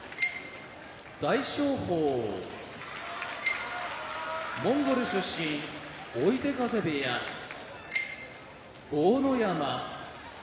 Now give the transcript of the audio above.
大翔鵬モンゴル出身追手風部屋豪ノ山